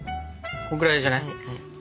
このくらいじゃない？